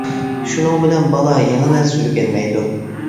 شۇنىڭ بىلەن بالا يېڭى نەرسە ئۆگەنمەيدۇ.